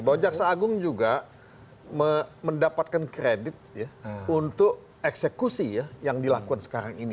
bahwa jaksa agung juga mendapatkan kredit untuk eksekusi ya yang dilakukan sekarang ini